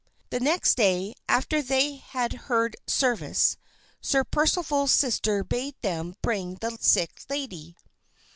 The next day, after they had heard service, Sir Percival's sister bade them bring the sick lady.